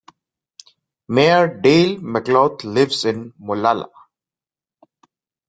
Mayor Dale McLouth lives in Molalla.